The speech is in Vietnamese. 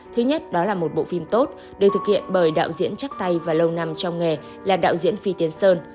thứ nhất đó là một bộ phim tốt được thực hiện bởi đạo diễn chắc tay và lâu nằm trong nghề là đạo diễn phi tiến sơn